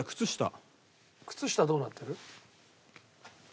靴下どうなってる？